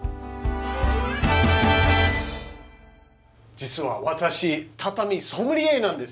実は私畳ソムリエなんです。